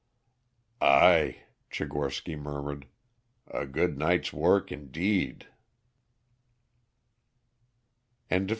"Ay," Tchigorsky murmured; "a good night's work, indeed."